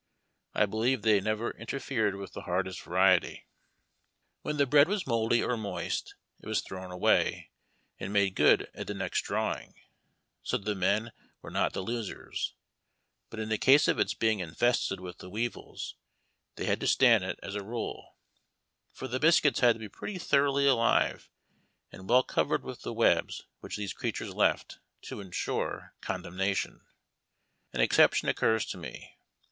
I believe they never interfered with the hardest variety. When the bread was mouldy or moist, it was thrown away and made good at the next drawing, so that the men were not the losers ; but in the case of its being infested with the weevils, they had to stand it as a rule ; for the biscuits had to be pretty thoroughly alive, and well covered with the webs which these creatures left, to insure condemnation. An ex ception occurs to me.